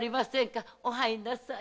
お入りなさい。